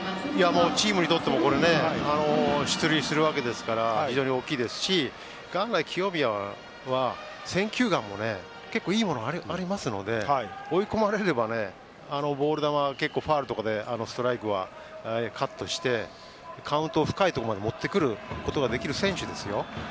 チームにとっても出塁するわけですから非常に大きいですし案外、清宮は選球眼も結構、いいものがありますので追い込まれればボール球は結構ファウルとかでストライクはカットしてカウントを深いところまで持ってくることができる選手です。